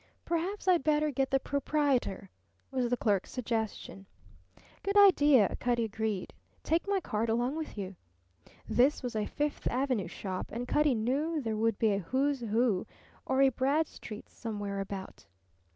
"Perhaps I'd better get the proprietor," was the clerk's suggestion. "Good idea," Cutty agreed. "Take my card along with you." This was a Fifth Avenue shop, and Cutty knew there would be a Who's Who or a Bradstreet somewhere about.